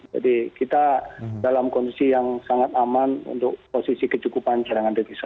jadi kita dalam kondisi yang sangat aman untuk posisi ketukupan